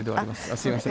すいません。